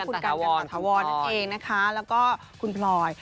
คุณกันตะวอนคุณกันตะวอนนั่นเองนะคะแล้วก็คุณพลอย